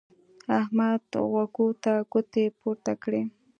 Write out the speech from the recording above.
احمد غوږو ته ګوتې پورته کړې.